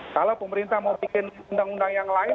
kalau pemerintah mau bikin undang undang yang lain